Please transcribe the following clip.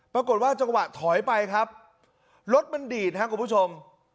ปรากฏว่าจังหวะถอยไปครับรถมันดีดครับคุณผู้ชม